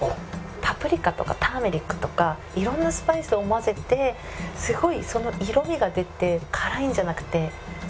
パプリカとかターメリックとか色んなスパイスを混ぜてすごいその色味が出て。